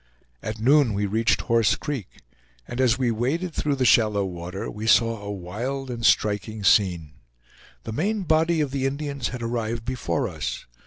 At noon we reached Horse Creek; and as we waded through the shallow water, we saw a wild and striking scene. The main body of the Indians had arrived before us.